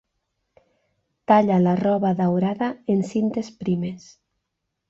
Talla la roba daurada en cintes primes.